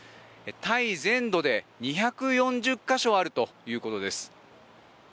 タイ全土で２４０か所あるということです。